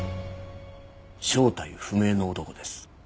正体不明の男です。